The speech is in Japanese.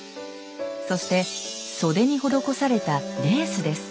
そして袖に施されたレースです。